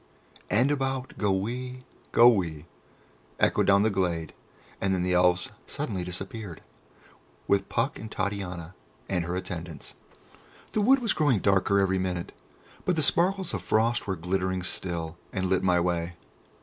"And about goe wee, goe wee!" echoed down the glade, and then the Elves suddenly disappeared, with Puck and Titania and her attendants. The wood was growing darker every minute, but the sparkles of frost were glittering still, and lit my way.